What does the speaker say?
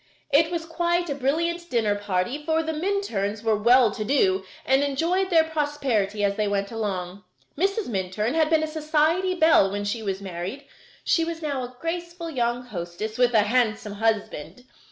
It was quite a brilliant dinner party, for the Minturns were well to do and enjoyed their prosperity as they went along. Mrs. Minturn had been a society belle when she was married. She was now a graceful young hostess, with a handsome husband.